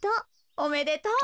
おめでとう。